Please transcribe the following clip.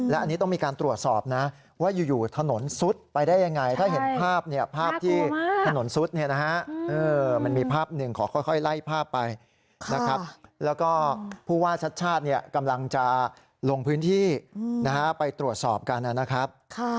แล้วก็พูดว่าชาติชาติกำลังจะลงพื้นที่ไปตรวจสอบกันนะครับ